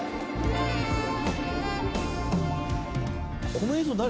この映像何？